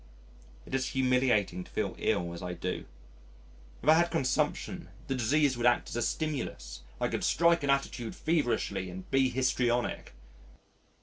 It is humiliating to feel ill as I do. If I had consumption, the disease would act as a stimulus I could strike an attitude feverishly and be histrionic.